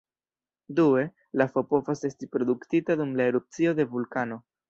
Due, lafo povas esti produktita dum la erupcio de vulkano.